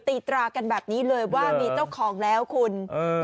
ตีตรากันแบบนี้เลยว่ามีเจ้าของแล้วคุณ